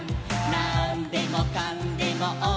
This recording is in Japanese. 「なんでもかんでもおうえんだ」